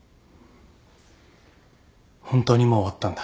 本当にもう終わったんだ。